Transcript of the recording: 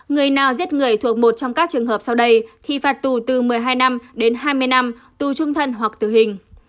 người nào giết người thuộc một trong các trường hợp sau đây khi phạt tù từ một mươi hai năm đến hai mươi năm tù trung thân hoặc tử hình